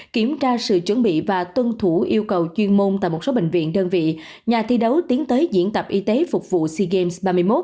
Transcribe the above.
kiểm tra sự chuẩn bị và tuân thủ yêu cầu chuyên môn tại một số bệnh viện đơn vị nhà thi đấu tiến tới diễn tập y tế phục vụ sea games ba mươi một